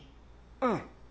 うん。